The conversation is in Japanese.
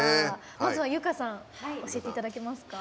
まずは有華さん教えていただけますか。